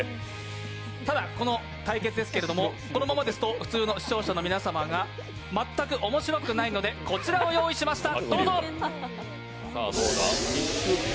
ただ、この対決ですけれども、このままですと普通の視聴者が全く面白くないのでこちらをご用意しました。